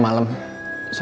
soalnya kebetulan banget